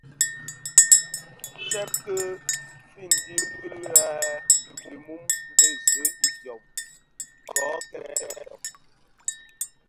Tsèb ki fiñdim kil è dhi mum dhi zi idyōm kō kèbtèè loň.